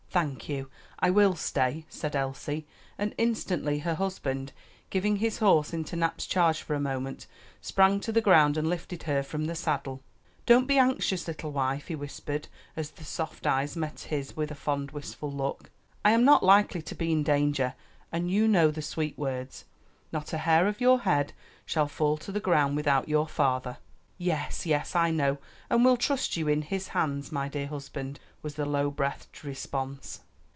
"Thank you, I will stay," said Elsie; and instantly her husband, giving his horse into Nap's charge for a moment, sprang to the ground and lifted her from the saddle. "Don't be anxious, little wife," he whispered, as the soft eyes met his with a fond wistful look, "I am not likely to be in danger, and you know the sweet words, 'Not a hair of your head shall fall to the ground without your Father.'" "Yes, yes, I know, and will trust you in His hands, my dear husband," was the low breathed response.